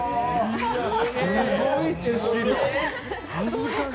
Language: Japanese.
すごい知識量。